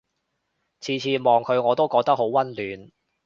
次次望佢我都覺得好溫暖